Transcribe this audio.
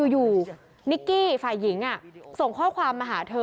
อยู่นิกกี้ฝ่ายหญิงส่งข้อความมาหาเธอ